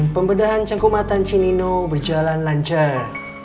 pembedahan cangkumatan si nino berjalan lancar